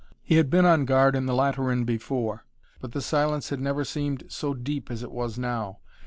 He had been on guard in the Lateran before, but the silence had never seemed so deep as it was now.